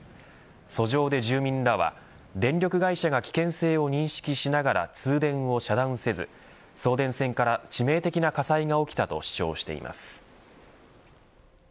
訴状で住民らが電力会社が危険性を認識しながら通電を遮断せず送電線から致命的な火災が起きたと主張しています。